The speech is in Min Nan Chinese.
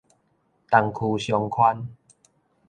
東區商圈